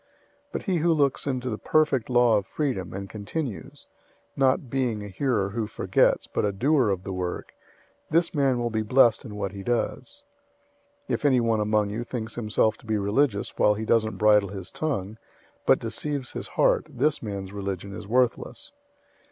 001:025 But he who looks into the perfect law of freedom, and continues, not being a hearer who forgets, but a doer of the work, this man will be blessed in what he does. 001:026 If anyone among you thinks himself to be religious while he doesn't bridle his tongue, but deceives his heart, this man's religion is worthless.